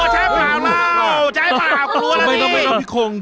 ใช่ป่ะหล่อและที่